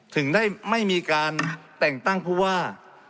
ถึงได้ไม่มีการแต่งตั้งผู้ว่า